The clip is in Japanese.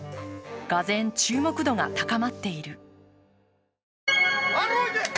がぜん注目度が高まっている。